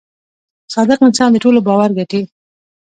• صادق انسان د ټولو باور ګټي.